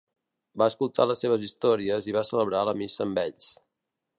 Va escoltar les seves històries i va celebrar la missa amb ells.